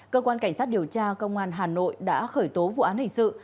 cơ quan cảnh sát điều tra công an hà nội đã khởi tố vụ án hình sự